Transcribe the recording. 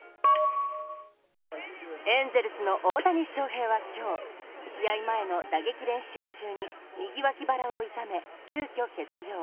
エンゼルスの大谷翔平は今日試合前の打撃練習中に右脇腹を痛め、急きょ欠場。